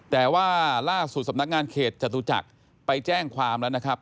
แต่ว่าล่าสุดสำนักงานเขตจตุจักรไปแจ้งความแล้วนะครับ